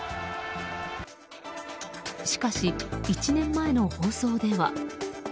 しかし１年前の放送では。